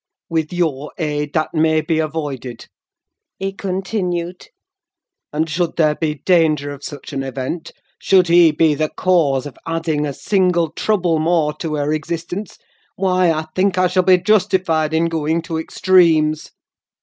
"With your aid that may be avoided," he continued; "and should there be danger of such an event—should he be the cause of adding a single trouble more to her existence—why, I think I shall be justified in going to extremes!